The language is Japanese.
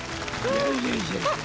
いやいやいやいや。